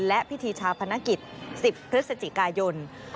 และพิธีชาพนักกิจ๑๐พฤศจิกายน